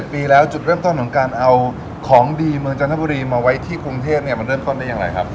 ปีแล้วจุดเริ่มต้นของการเอาของดีเมืองจันทบุรีมาไว้ที่กรุงเทพเนี่ยมันเริ่มต้นได้อย่างไรครับ